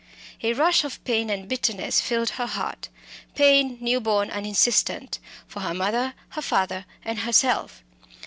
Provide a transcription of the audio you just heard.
A rush of pain and bitterness filled her heart pain, new born and insistent, for her mother, her father, and herself.